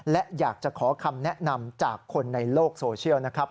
และอยากจะขอคำแนะนำจากคนในโลกโซเชียลนะครับ